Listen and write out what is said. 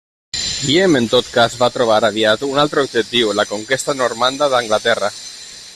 Guillem en tot cas va trobar aviat un altre objectiu, la conquesta normanda d'Anglaterra.